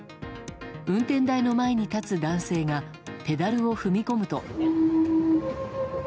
運転台の前に立つ男性がペダルを踏み込むと。